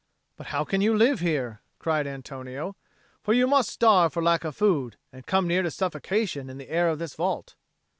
"But how can you live here?" cried Antonio. "For you must starve for lack of food, and come near to suffocation in the air of this vault."